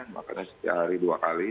makanya setiap hari dua kali